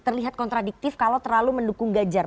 terlihat kontradiktif kalau terlalu mendukung ganjar